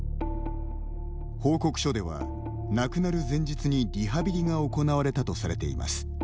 報告書では、亡くなる前日にリハビリが行われたとされています。